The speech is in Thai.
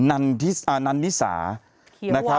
ันนิซา